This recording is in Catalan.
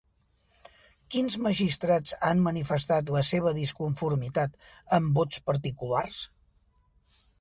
Quins magistrats han manifestat la seva disconformitat amb vots particulars?